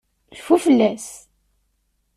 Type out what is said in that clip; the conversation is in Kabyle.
Cfu fell-as.